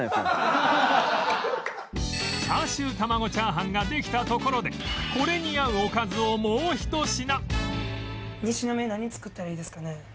チャーシューたまご炒飯ができたところでこれに合うおかずをもうひと品